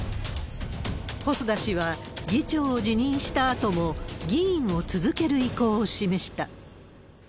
細田氏は、議長を辞任したあとも議員を続ける意向を示した。